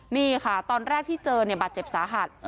นี่ค่ะตอนแรกที่เจอเนี่ยบาดเจ็บสาหัส